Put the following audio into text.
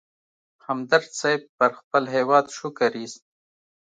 همدرد صیب پر خپل هېواد شکر اېست.